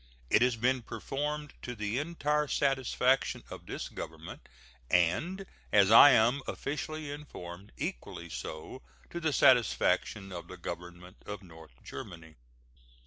It has been performed to the entire satisfaction of this Government, and, as I am officially informed, equally so to the satisfaction of the Government of North Germany.